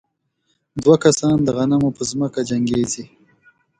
دوه کسان د غنمو په ځمکه جنګېږي.